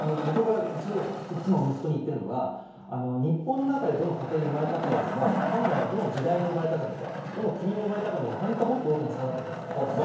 いつも息子に言っているのが、日本の中でどの家庭に生まれたかよりも、本来はどの時代に生まれたかとか、どの国に生まれたかのほうが大きな差だと思うんです。